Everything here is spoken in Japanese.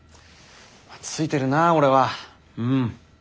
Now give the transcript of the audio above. ついてるなあ俺はうん！